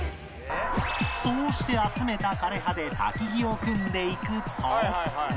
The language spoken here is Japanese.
そうして集めた枯葉で薪を組んでいくと